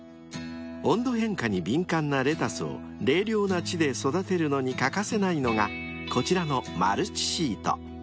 ［温度変化に敏感なレタスを冷涼な地で育てるのに欠かせないのがこちらのマルチシート］